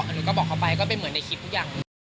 หนูก็บอกเขาไปก็เป็นเหมือนในคลิปทุกอย่าง